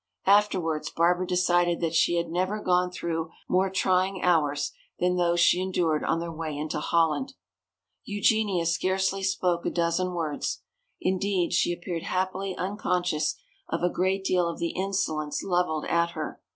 Afterwards Barbara decided that she had never gone through more trying hours than those she endured on their way into Holland. Eugenia scarcely spoke a dozen words. Indeed, she appeared happily unconscious of a great deal of the insolence leveled at her.